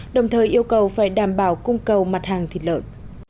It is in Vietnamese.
đồng thời yêu cầu phải đảm bảo cung cầu mặt hàng thịt lợn